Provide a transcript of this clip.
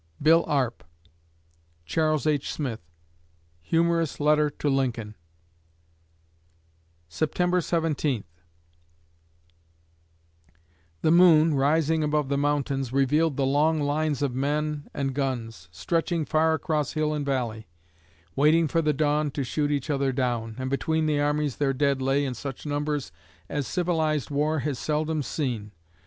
BILL ARP (Charles H. Smith) (Humorous "Letter to Lincoln") September Seventeenth The moon, rising above the mountains, revealed the long lines of men and guns, stretching far across hill and valley, waiting for the dawn to shoot each other down, and between the armies their dead lay in such numbers as civilised war has seldom seen.